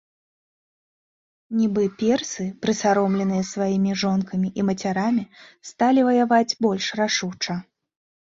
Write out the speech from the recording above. Нібы персы, прысаромленыя сваімі жонкамі і мацярамі, сталі ваяваць больш рашуча.